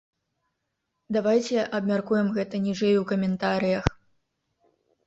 Давайце абмяркуем гэта ніжэй у каментарыях.